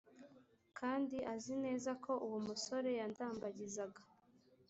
kandi azi neza ko uwo musore yandambagizaga